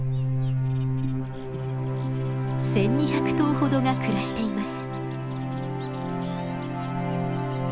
１，２００頭ほどが暮らしています。